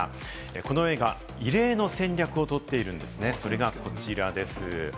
この映画、異例の戦略をとっているんですね、それがこちらです。